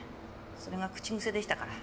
それが口癖でしたから。